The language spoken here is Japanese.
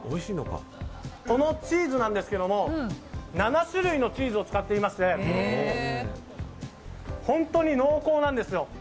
このチーズなんですけども７種類のチーズを使っていまして本当に濃厚なんです。